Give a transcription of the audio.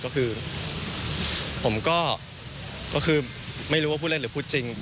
ผมก็คือไม่รู้พูดอะไรหรือกูพูดจริง